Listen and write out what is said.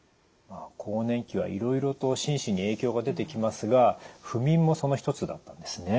更年期はいろいろと心身に影響が出てきますが不眠もその一つだったんですね。